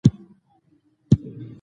امان الله خان به د شپې یوازې ګرځېده.